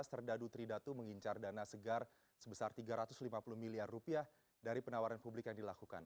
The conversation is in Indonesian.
serdadu tridatu mengincar dana segar sebesar tiga ratus lima puluh miliar rupiah dari penawaran publik yang dilakukan